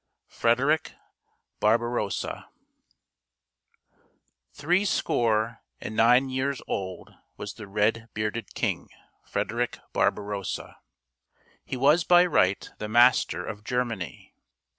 FREDERICK BARBAROSSA Three score and nine years old was the red bearded king, Frederick Barbarossa. He was by right the master of Germany.